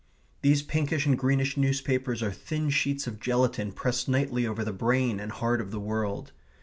These pinkish and greenish newspapers are thin sheets of gelatine pressed nightly over the brain and heart of the world.